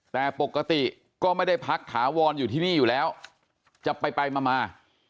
แต่ปกติก็ไม่ได้พักถาวรอยู่ที่นี่อยู่แล้วจะไปไปมา